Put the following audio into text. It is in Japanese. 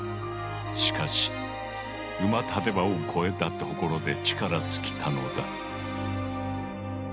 しかし馬立場を越えたところで力尽きたのだ。